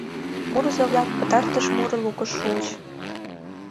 Мурызо-влак пытартыш муро лукыш шуыч.